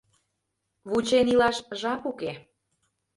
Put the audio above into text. Вучен илаш жап уке.